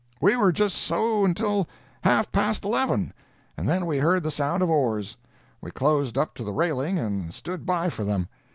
We were just so until half past 11, and then we heard the sound of oars. We closed up to the railing and stood by for them.